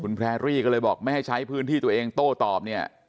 แพรรี่ก็เลยบอกไม่ให้ใช้พื้นที่ตัวเองโต้ตอบเนี่ย